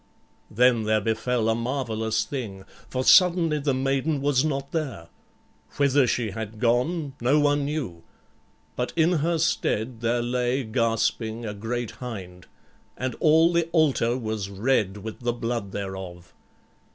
Then there befell a marvelous thing. For suddenly the maiden was not there. Whither she had gone no one knew; but in her stead there lay gasping a great hind, and all the altar was red with the blood thereof.